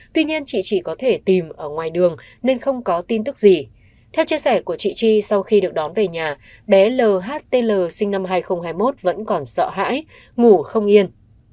tuy nhiên chị chỉ có thể tìm ở ngoài đường nên không có tin tức gì theo chia sẻ của chị chi sau khi được đón về nhà bé lhtl sinh năm hai nghìn hai mươi một vẫn còn sợ hãi ngủ không yên